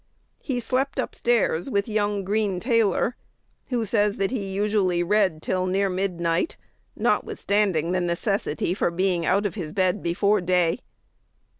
He slept up stairs with young Green Taylor, who says that he usually read "till near midnight," notwithstanding the necessity for being out of his bed before day.